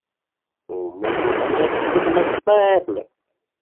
On met les plats sur la table.